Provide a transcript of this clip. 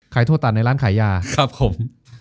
ถั่วตันในร้านขายยาครับผม